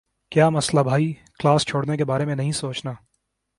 کیا مسلہ بھائی؟ کلاس چھوڑنے کے بارے میں نہیں سوچنا۔